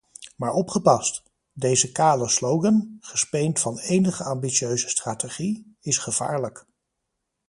Maar opgepast: deze kale slogan, gespeend van enige ambitieuze strategie, is gevaarlijk.